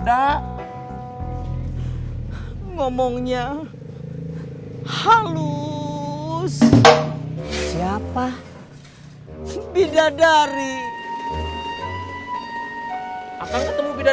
jangan lupa subscribe channel owo